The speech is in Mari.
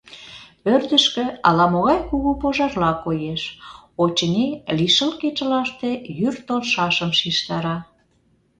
Ӧрдыжкӧ ала-могай кугу пожарла коеш: очыни, лишыл кечылаште йӱр толшашым шижтара.